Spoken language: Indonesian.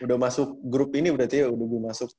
udah masuk grup ini berarti ya udah gue masuk